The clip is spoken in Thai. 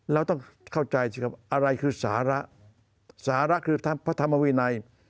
เราต้องเข้าใจสิครับอะไรคือสาระสาระคือพระธรรมวินัย